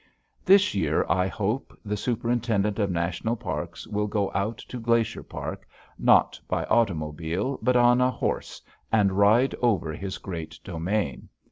This year I hope the Superintendent of National Parks will go out to Glacier Park, not by automobile, but on a horse, and ride over his great domain.